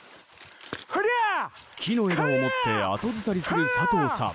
木の枝を持って後ずさりする佐藤さん。